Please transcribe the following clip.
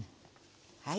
はい。